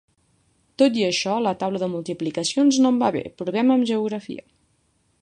Tot i això, la taula de multiplicacions no em va bé; provem amb geografia.